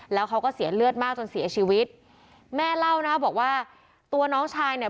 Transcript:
แล้วเขาก็เสียเลือดมากจนเสียชีวิตแม่เล่านะคะบอกว่าตัวน้องชายเนี่ย